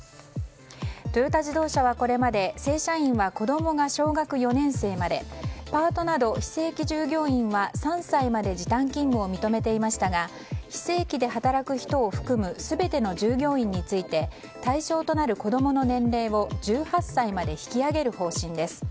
トヨタ自動車はこれまで正社員は子供が小学４年生までパートなど非正規従業員は３歳まで時短勤務を認めていましたが非正規で働く人を含む全ての従業員について対象となる子供の年齢を１８歳まで引き上げる方針です。